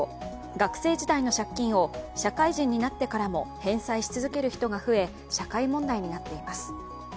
学生時代の借金を社会人になってからも返済し続ける人が増え、社会問題になっています。